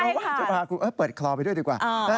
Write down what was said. ว่าจะพาคุณเปิดคลอไปด้วยดีกว่า